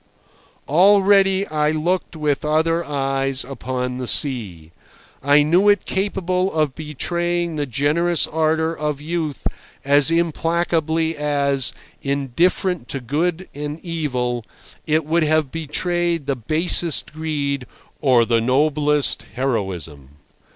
Already I looked with other eyes upon the sea. I knew it capable of betraying the generous ardour of youth as implacably as, indifferent to evil and good, it would have betrayed the basest greed or the noblest heroism.